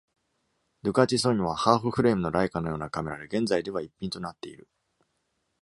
ドゥカティ・ソニョはハーフフレームのライカのようなカメラで、現在では逸品となっている。